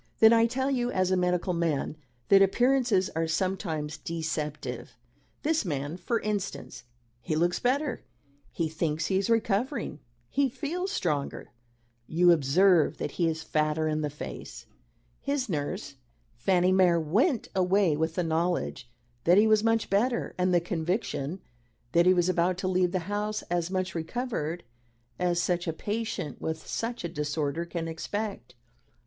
Then I tell you, as a medical man, that appearances are sometimes deceptive. This man, for instance he looks better; he thinks he is recovering; he feels stronger. You observe that he is fatter in the face. His nurse, Fanny Mere, went away with the knowledge that he was much better, and the conviction that he was about to leave the house as much recovered as such a patient with such a disorder can expect."